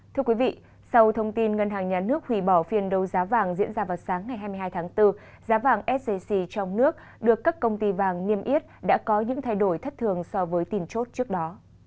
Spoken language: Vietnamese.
thưa quý vị sau thông tin ngân hàng nhà nước hủy bỏ phiên đấu giá vàng diễn ra vào sáng ngày hai mươi hai tháng bốn giá vàng sgc trong nước được các công ty vàng niêm yết đã có những thay đổi thất thường so với tiền chốt trước đó